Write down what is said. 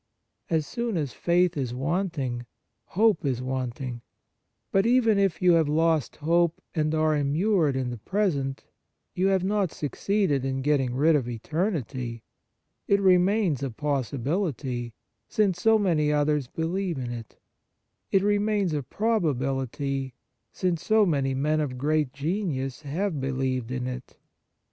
As soon as faith is wanting, hope is wanting ; but even if you have lost hope and are immured in the present, you have not succeeded in getting rid of eternity; it remains a possibility, since so many others believe in it ; it remains a probability, since so many men of great genius have believed in it.